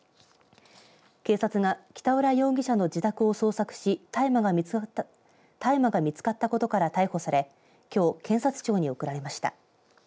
警察が北浦容疑者の自宅を捜索し大麻が見つかったことから逮捕されきょう検察庁に送られました。